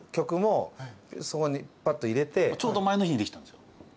ちょうど前の日にできたんですよ。